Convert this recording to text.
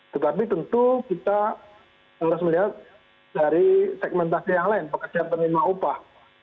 tetapi tentu kita harus melihat dari segmentasi yang lain pekerjaan penerima upah